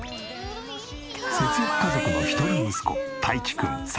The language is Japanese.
節約家族の一人息子たいちくん３歳。